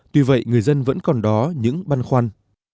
tuy vậy người dân vẫn còn đó những băn khoăn